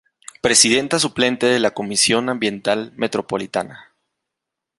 Presidenta Suplente de la Comisión Ambiental Metropolitana.